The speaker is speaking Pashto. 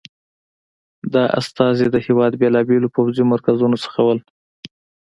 دا استازي د هېواد بېلابېلو پوځي مرکزونو څخه وو.